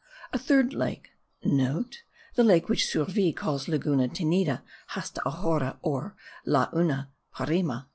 A third lake* (* The lake which Surville calls Laguna tenida hasta ahora or La una Parime.)